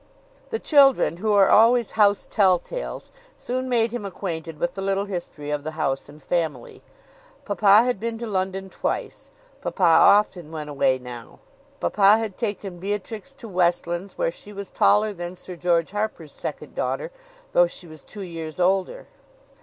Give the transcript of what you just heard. The children, who are always house tell tales, soon made him acquainted with the little history of the house and family. Papa had been to London twice. Papa often went away now. Papa had taken Beatrix to Westlands, where she was taller than Sir George Harper's second daughter, though she was two years older.